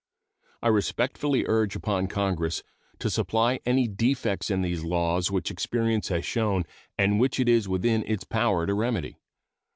I respectfully urge upon Congress to supply any defects in these laws which experience has shown and which it is within its power to remedy.